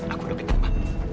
aku udah ketik ma